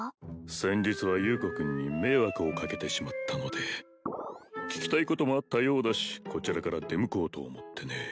先日は優子君に迷惑をかけてしまったので聞きたいこともあったようだしこちらから出向こうと思ってね